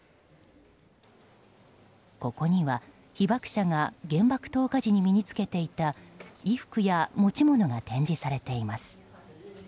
ここには被爆者が原爆投下時に身に着けていた衣服や持ち物が展示されています。